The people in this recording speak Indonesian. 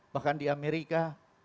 bahkan di amerika